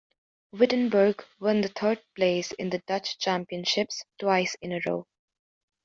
Wittenberg won the third place in the Dutch Championships twice in a row.